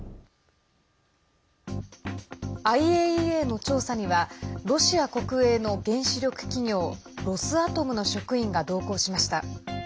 ＩＡＥＡの調査にはロシア国営の原子力企業ロスアトムの職員が同行しました。